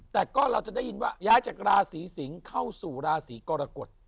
แต่ก็เราจะได้ยินว่าย้ายจากราศีสิงศ์เข้าสู่ราศีกรกฎ